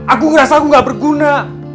aku ngerasa aku gak berguna